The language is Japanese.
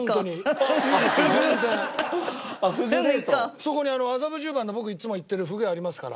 そこに麻布十番の僕いつも行ってるフグ屋ありますから。